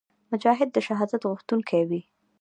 مجاهد د شهادت غوښتونکی وي.